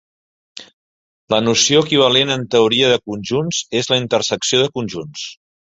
La noció equivalent en teoria de conjunts és la intersecció de conjunts.